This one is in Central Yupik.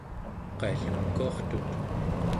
qaillukuartut